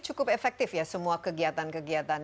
cukup efektif ya semua kegiatan kegiatan